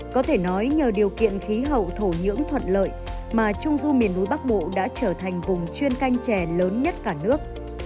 có thể nói nhờ điều kiện khí hậu thổ nhưỡng thuận lợi mà trung du miền núi bắc bộ đã trở thành vùng chuyên canh chè lớn nhất cả nước